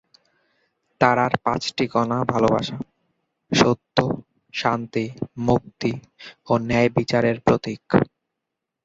তারার পাঁচটি কোণা ভালোবাসা, সত্য, শান্তি, মুক্তি ও ন্যায়বিচারের প্রতীক।